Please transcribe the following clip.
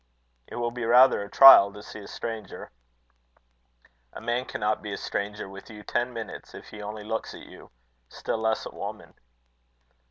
"It will be rather a trial to see a stranger." "A man cannot be a stranger with you ten minutes, if he only looks at you; still less a woman."